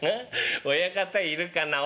親方いるかな？